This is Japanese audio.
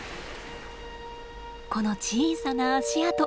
この小さな足跡。